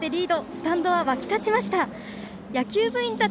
スタンドは沸き立ちました。